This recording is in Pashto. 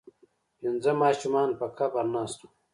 پنځه ماشومان په قبر ناست وو.